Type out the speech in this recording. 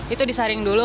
itu disaring dulu